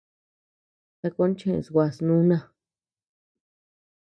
Sakón cheʼës nguas núna.